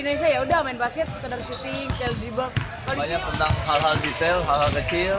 indonesia ya udah main basket sekedar syuting cashboard banyak tentang hal hal detail hal hal kecil